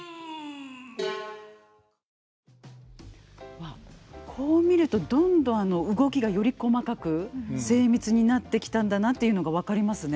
まあこう見るとどんどん動きがより細かく精密になってきたんだなっていうのが分かりますね。